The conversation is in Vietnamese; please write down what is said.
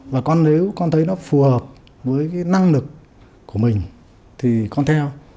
và nếu con thấy nó phù hợp với năng lực của mình thì con theo